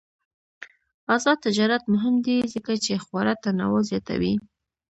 آزاد تجارت مهم دی ځکه چې خواړه تنوع زیاتوي.